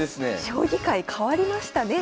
将棋界変わりましたね。